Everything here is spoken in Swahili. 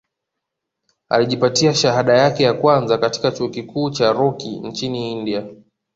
Alijipatia shahada yake ya kwanza katika chuo kikuu cha Rocky nchini India